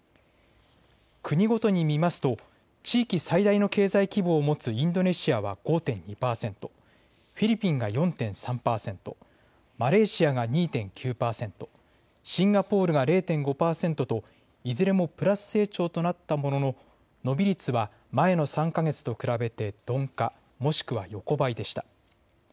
国ごとに見ますと地域最大の経済規模を持つインドネシアは５．２％、フィリピンが４．３％、マレーシアが２．９％、シンガポールが０．５％といずれもプラス成長となったものの伸び率は前の３か月と比べて鈍化、もしくは横ばいでした。